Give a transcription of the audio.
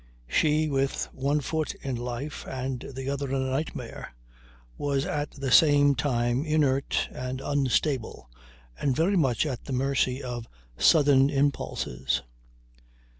She, with one foot in life and the other in a nightmare, was at the same time inert and unstable, and very much at the mercy of sudden impulses.